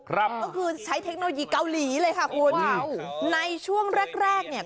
ก็คือใช้เทคโนโลยีเกาหลีเลยค่ะคุณในช่วงแรกแรกเนี่ย